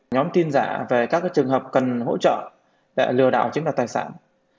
nhóm tin giả về các trường hợp cần hỗ trợ lừa đảo chính đạo tài sản